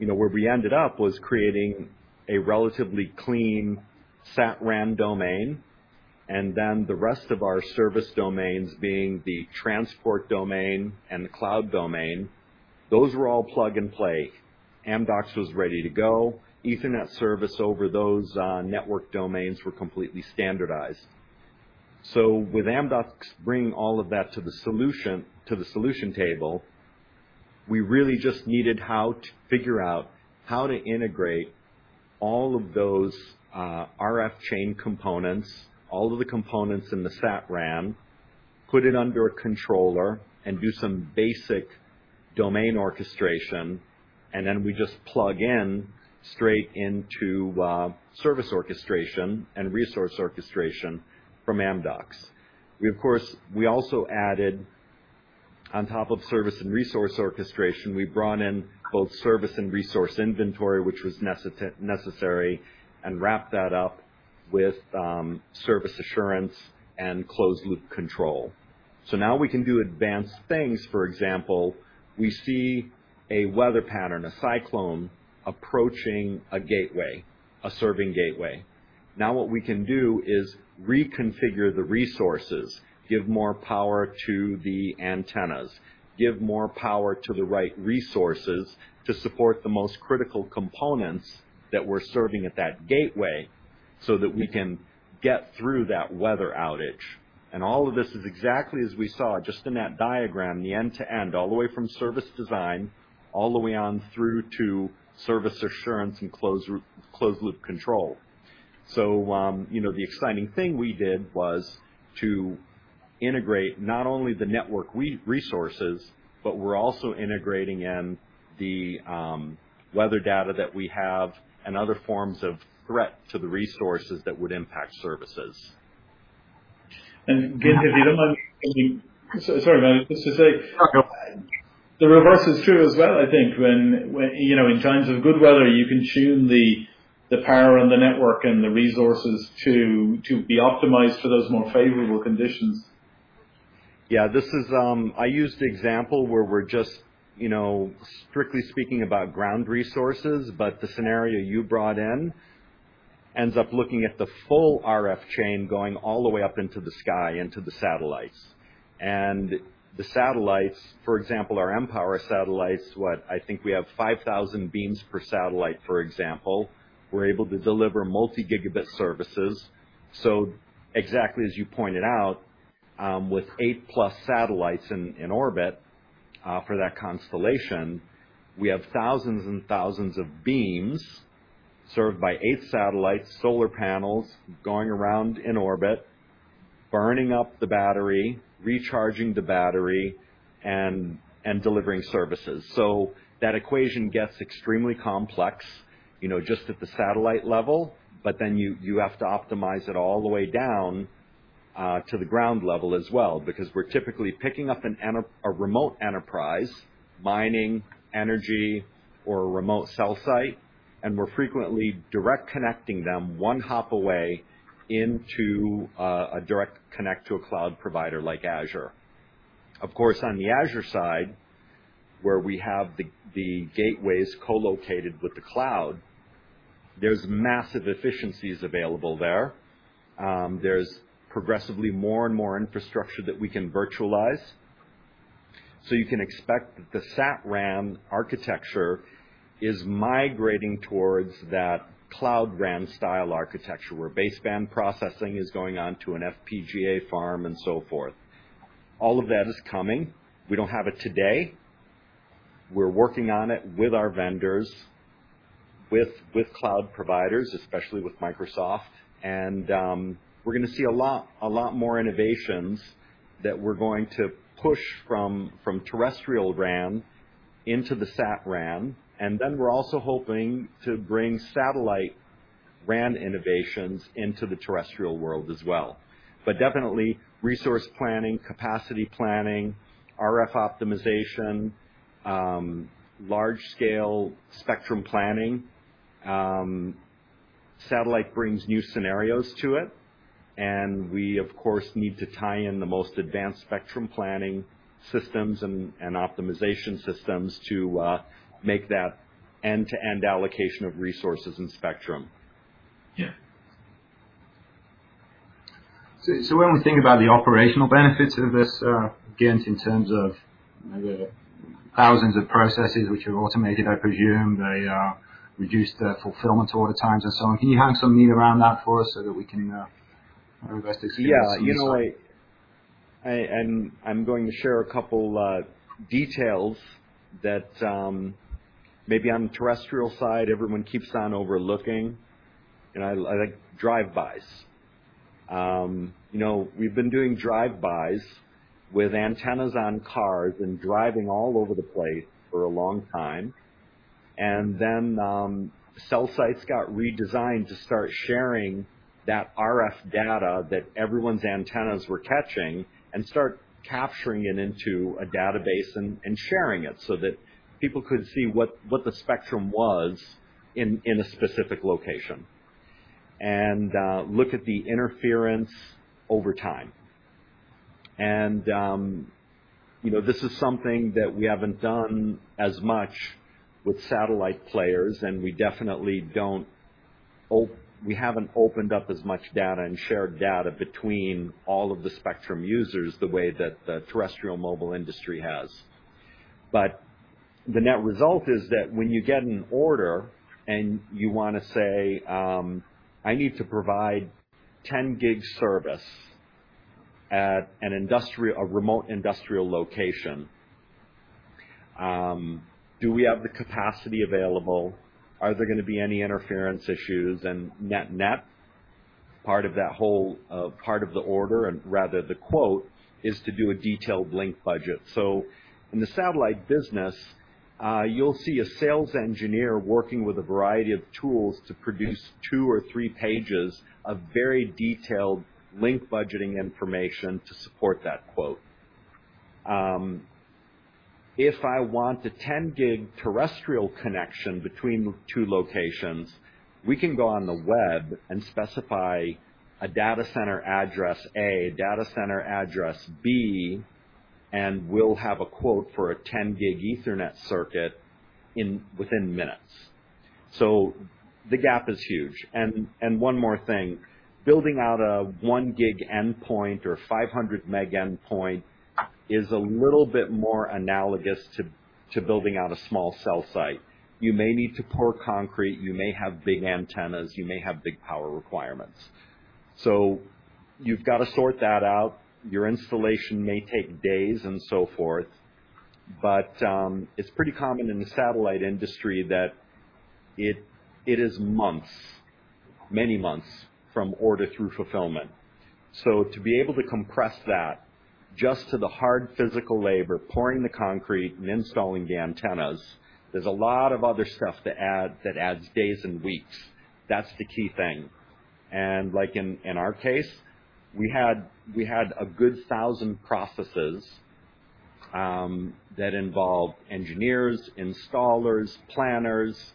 You know, where we ended up was creating a relatively clean Sat-RAN domain, and then the rest of our service domains being the transport domain and the cloud domain. Those were all plug-and-play. Amdocs was ready to go. Ethernet service over those network domains was completely standardized. With Amdocs bringing all of that to the solution table, we really just needed how to figure out how to integrate all of those RF chain components, all of the components in the Sat-RAN, put it under a controller and do some basic domain orchestration, and then we just plug in straight into service orchestration and resource orchestration from Amdocs. We, of course, also added on top of service and resource orchestration, we brought in both service and resource inventory, which was necessary, and wrapped that up with service assurance and closed-loop control. Now we can do advanced things. For example, we see a weather pattern, a cyclone, approaching a gateway, a serving gateway. What we can do is reconfigure the resources, give more power to the antennas, give more power to the right resources to support the most critical components that we're serving at that gateway, so that we can get through that weather outage. All of this is exactly as we saw just in that diagram, the end-to-end, all the way from service design, all the way on through to service assurance and closed-loop control. You know, the exciting thing we did was to integrate not only the network resources, but we're also integrating in the weather data that we have and other forms of threat to the resources that would impact services. Again, if you don't mind me, so sorry, just to say... No, go ahead. The reverse is true as well I think when, you know, in times of good weather, you can tune the power on the network and the resources to be optimized for those more favorable conditions. Yeah, this is, I used the example where we're just, you know, strictly speaking about ground resources, but the scenario you brought in ends up looking at the full RF chain going all the way up into the sky, into the satellites. The satellites, for example, our mPOWER satellites, what? I think we have 5,000 beams per satellite, for example, we're able to deliver multi-gigabit services. Exactly as you pointed out, with 8+ satellites in orbit, for that constellation, we have thousands and thousands of beams served by 8 satellites, solar panels going around in orbit, burning up the battery, recharging the battery, and delivering services. That equation gets extremely complex, you know, just at the satellite level, but then you have to optimize it all the way down to the ground level as well, because we're typically picking up a remote enterprise, mining, energy, or a remote cell site, and we're frequently direct connecting them one hop away into a direct connect to a cloud provider like Azure. Of course, on the Azure side, where we have the gateways co-located with the cloud, there's massive efficiencies available there. There's progressively more and more infrastructure that we can virtualize. You can expect that the Sat-RAN architecture is migrating towards that Cloud RAN style architecture, where baseband processing is going on to an FPGA farm and so forth. All of that is coming. We don't have it today. We're working on it with our vendors, with cloud providers, especially with Microsoft, we're gonna see a lot more innovations that we're going to push from terrestrial RAN into the Sat-RAN, we're also hoping to bring satellite RAN innovations into the terrestrial world as well. Definitely, resource planning, capacity planning, RF optimization, large-scale spectrum planning. Satellite brings new scenarios to it, we, of course, need to tie in the most advanced spectrum planning systems and optimization systems to make that end-to-end allocation of resources and spectrum. Yeah. When we think about the operational benefits of this, again, in terms of the thousands of processes which are automated, I presume they reduce the fulfillment order times and so on. Can you hang some meat around that for us so that we can our investors can see? Yeah. You know, I, and I'm going to share a couple details that maybe on the terrestrial side, everyone keeps on overlooking, and I like drive-bys. You know, we've been doing drive-bys with antennas on cars and driving all over the place for a long time. Then, cell sites got redesigned to start sharing that RF data that everyone's antennas were catching and sharing it so that people could see what the spectrum was in a specific location, and look at the interference over time. You know, this is something that we haven't done as much with satellite players, and we definitely haven't opened up as much data and shared data between all of the spectrum users the way that the terrestrial mobile industry has. The net result is that when you get an order and you wanna say, "I need to provide 10 Gig service at a remote industrial location," do we have the capacity available? Are there gonna be any interference issues? Net-net, part of that whole, part of the order, and rather the quote, is to do a detailed link budget. In the satellite business, you'll see a sales engineer working with a variety of tools to produce two or three pages of very detailed link budgeting information to support that quote. If I want a 10 Gig terrestrial connection between two locations, we can go on the web and specify a data center address A, data center address B, and we'll have a quote for a 10 Gig Ethernet circuit within minutes. The gap is huge. One more thing, building out a 1 Gig endpoint or 500 meg endpoint is a little bit more analogous to building out a small cell site. You may need to pour concrete, you may have big antennas, you may have big power requirements. You've got to sort that out. Your installation may take days and so forth, it's pretty common in the satellite industry that it is months. Many months from order through fulfillment. To be able to compress that just to the hard physical labor, pouring the concrete and installing the antennas, there's a lot of other stuff to add that adds days and weeks. That's the key thing. Like in our case, we had a good 1,000 processes that involved engineers, installers, planners,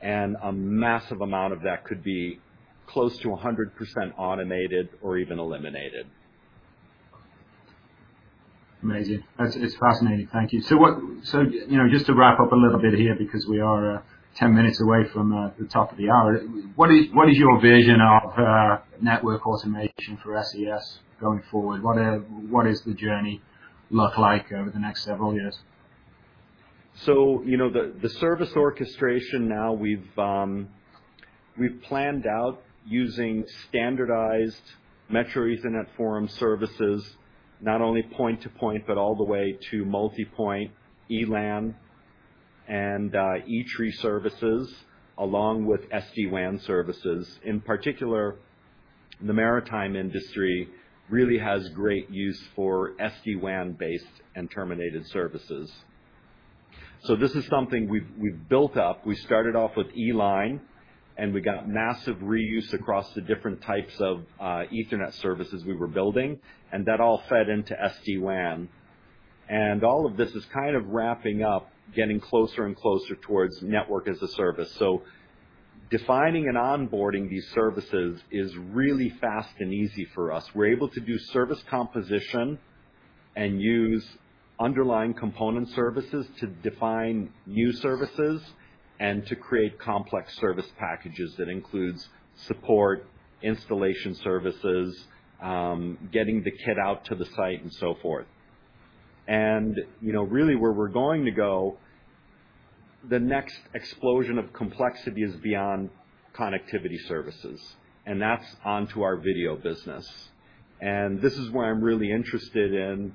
and a massive amount of that could be close to 100% automated or even eliminated. Amazing. That's fascinating. Thank you. You know, just to wrap up a little bit here, because we are 10 minutes away from the top of the hour. What is your vision of network automation for SES going forward? What is the journey look like over the next several years? You know, the service orchestration now we've planned out using standardized Metro Ethernet Forum services, not only point-to-point, but all the way to multi-point E-LAN and E-Tree services, along with SD-WAN services. In particular, the maritime industry really has great use for SD-WAN-based and terminated services. This is something we've built up. We started off with E-Line, and we got massive reuse across the different types of Ethernet services we were building, and that all fed into SD-WAN. All of this is kind of wrapping up, getting closer and closer towards network as a service. Defining and onboarding these services is really fast and easy for us. We're able to do service composition and use underlying component services to define new services and to create complex service packages that includes support, installation services, getting the kit out to the site, and so forth. You know, really, where we're going to go, the next explosion of complexity is beyond connectivity services, and that's onto our video business. This is why I'm really interested in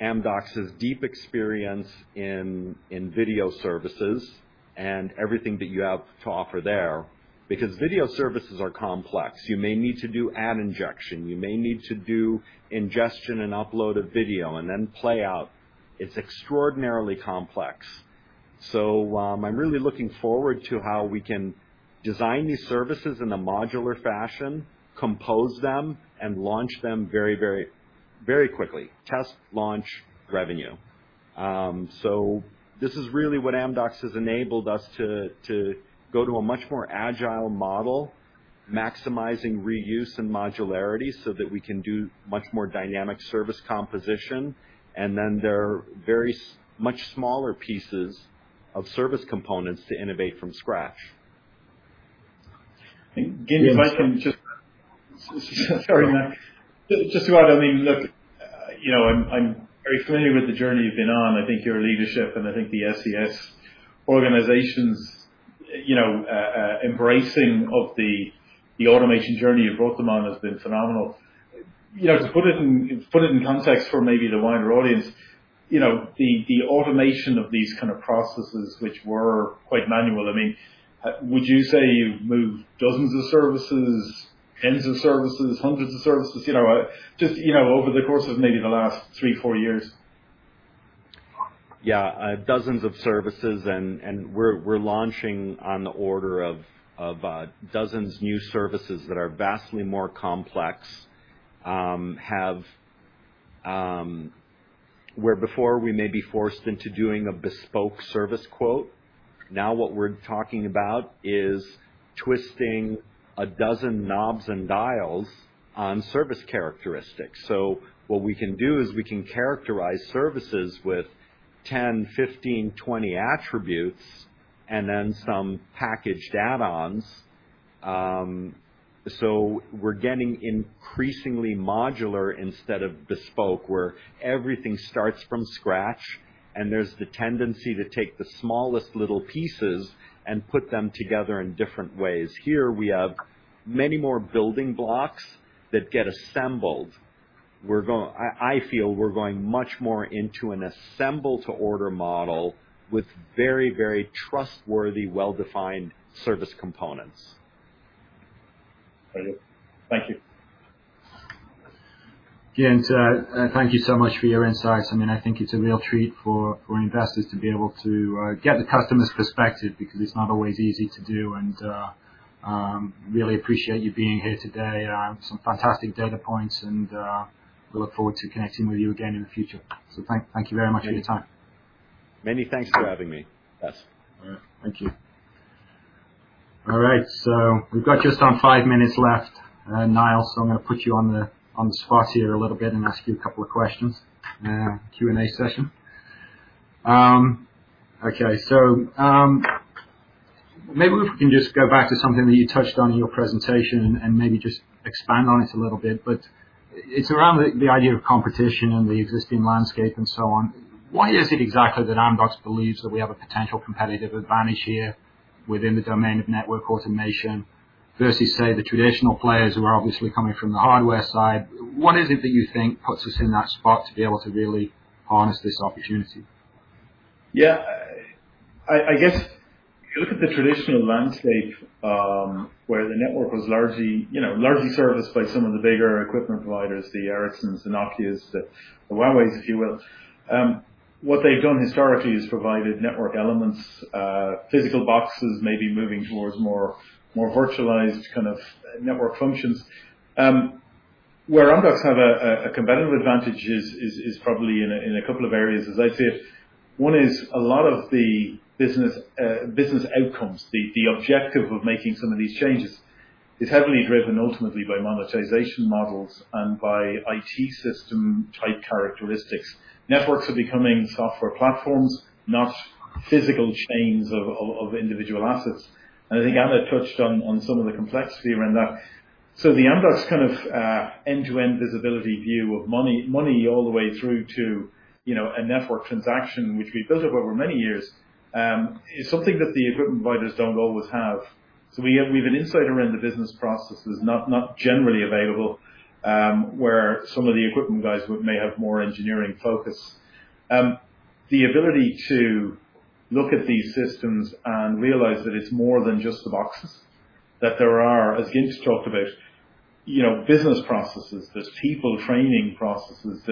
Amdocs' deep experience in video services and everything that you have to offer there. Because video services are complex. You may need to do ad injection, you may need to do ingestion and upload a video and then play out. It's extraordinarily complex. I'm really looking forward to how we can design these services in a modular fashion, compose them, and launch them very, very, very quickly. Test, launch, revenue. This is really what Amdocs has enabled us to go to a much more agile model, maximizing reuse and modularity so that we can do much more dynamic service composition. There are very much smaller pieces of service components to innovate from scratch. Gino, Sorry, Matt. Just to add, I mean, look, you know, I'm very familiar with the journey you've been on. I think your leadership, and I think the SES organization's, you know, embracing of the automation journey you've brought them on has been phenomenal. You know, to put it in context for maybe the wider audience, you know, the automation of these kind of processes, which were quite manual, I mean, would you say you've moved dozens of services, tens of services, hundreds of services, you know, just, you know, over the course of maybe the last three, four years? Yeah, dozens of services, we're launching on the order of dozens new services that are vastly more complex. Where before we may be forced into doing a bespoke service quote, now what we're talking about is twisting 12 knobs and dials on service characteristics. What we can do is we can characterize services with 10, 15, 20 attributes and then some packaged add-ons. We're getting increasingly modular instead of bespoke, where everything starts from scratch, and there's the tendency to take the smallest little pieces and put them together in different ways. Here, we have many more building blocks that get assembled. I feel we're going much more into an assemble-to-order model with very, very trustworthy, well-defined service components. Thank you. Thank you. Gint, thank you so much for your insights. I mean, I think it's a real treat for investors to be able to get the customer's perspective, because it's not always easy to do. Really appreciate you being here today. Some fantastic data points, and we look forward to connecting with you again in the future. Thank you very much for your time. Many thanks for having me. Yes. All right. Thank you. All right, we've got just some five minutes left, Niall, so I'm going to put you on the spot here a little bit and ask you a couple of questions. Q&A session. Okay. Maybe we can just go back to something that you touched on in your presentation, and maybe just expand on it a little bit, but it's around the idea of competition and the existing landscape, and so on. Why is it exactly that Amdocs believes that we have a potential competitive advantage here within the domain of network automation, versus, say, the traditional players who are obviously coming from the hardware side? What is it that you think puts us in that spot to be able to really harness this opportunity? Yeah, I guess if you look at the traditional landscape, where the network was largely, you know, largely serviced by some of the bigger equipment providers, the Ericsson, the Nokia, the Huawei, if you will. What they've done historically is provide network elements, physical boxes, maybe moving towards a more virtualized kind of network functions. Where Amdocs has a competitive advantage is probably in a couple of areas, as I said. One is a lot of the business outcomes, the objective of making some of these changes, is heavily driven ultimately by monetization models and by IT system-type characteristics. Networks are becoming software platforms, not physical chains of individual assets, and I think Ana touched on some of the complexity around that. The Amdocs kind of end-to-end visibility view of money all the way through to, you know, a network transaction, which we built up over many years, is something that the equipment providers don't always have. We have an insight around the business processes, not generally available, where some of the equipment guys may have more engineering focus. The ability to look at these systems and realize that it's more than just the boxes. That there are, as Gintautas talked about, you know, business processes, there's people training processes,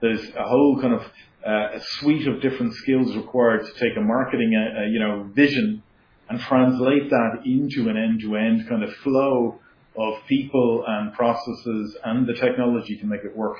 there's a whole kind of a suite of different skills required to take a marketing, you know, vision and translate that into an end-to-end kind of flow of people and processes, and the technology to make it work.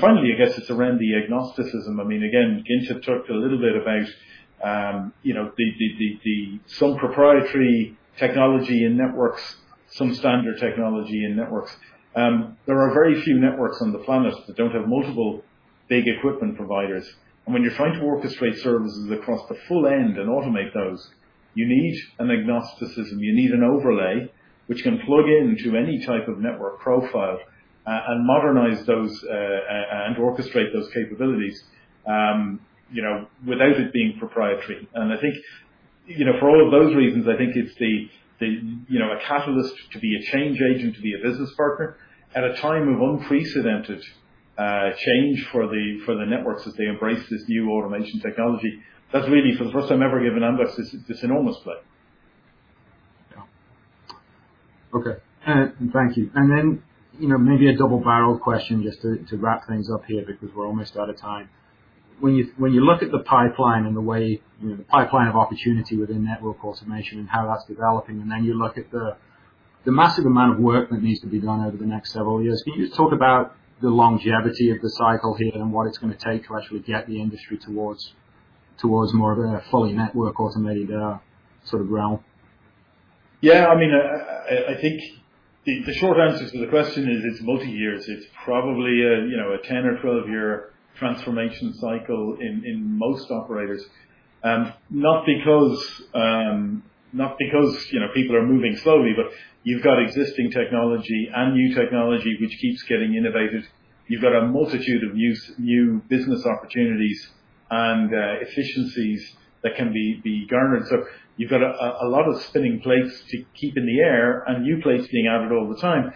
Finally, I guess, it's around the agnosticism. I mean, again, Gintautas talked a little bit about, you know, the some proprietary technology and networks, some standard technology and networks. There are very few networks on the planet that don't have multiple big equipment providers, and when you're trying to orchestrate services across the full end and automate those, you need an agnosticism. You need an overlay, which can plug into any type of network profile, and modernize those and orchestrate those capabilities, you know, without it being proprietary. I think, you know, for all of those reasons, I think it's the, you know, a catalyst to be a change agent, to be a business partner at a time of unprecedented change for the networks as they embrace this new automation technology. That's really, for the first time ever, give Amdocs this enormous play. Yeah. Okay. Thank you. You know, maybe a double-barreled question just to wrap things up here because we're almost out of time. When you look at the pipeline. You know, the pipeline of opportunity within network automation and how that's developing, and then you look at the massive amount of work that needs to be done over the next several years, can you just talk about the longevity of the cycle here and what it's gonna take to actually get the industry towards more of a fully network automated sort of ground? Yeah, I mean, I think the short answer to the question is, it's multi-years. It's probably a, you know, a 10 or 12 year transformation cycle in most operators. Not because, not because, you know, people are moving slowly, but you've got existing technology and new technology, which keeps getting innovated. You've got a multitude of new business opportunities and efficiencies that can be garnered. You've got a lot of spinning plates to keep in the air and new plates being added all the time.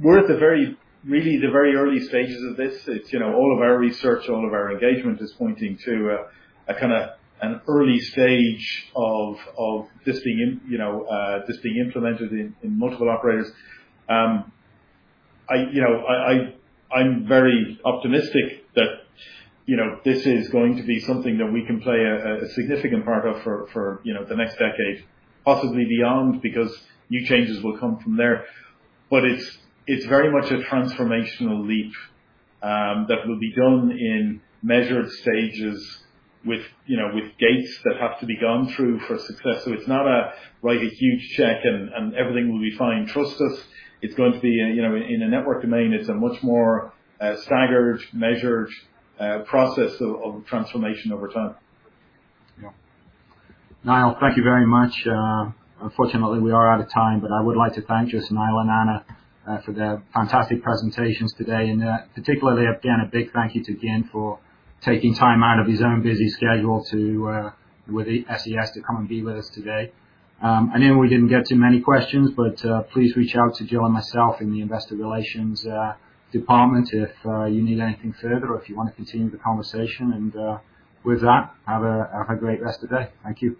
We're at really, the very early stages of this. It's, you know, all of our research, all of our engagement is pointing to a kind of an early stage of this being, you know, implemented in multiple operators. I, you know, I'm very optimistic that, you know, this is going to be something that we can play a significant part of for, you know, the next decade, possibly beyond, because new changes will come from there. It's, it's very much a transformational leap, that will be done in measured stages with, you know, with gates that have to be gone through for success. It's not a, like, a huge check, and everything will be fine, trust us. It's going to be a, you know, in a network domain, it's a much more, staggered, measured, process of transformation over time. Yeah. Niall, thank you very much. Unfortunately, we are out of time, but I would like to thank you, Niall and Ana, for the fantastic presentations today. Particularly, again, a big thank you to Gintautas for taking time out of his own busy schedule to with SES to come and be with us today. I know we didn't get to many questions, but please reach out to Jill and myself in the investor relations department, if you need anything further or if you wanna continue the conversation. With that, have a great rest of the day. Thank you.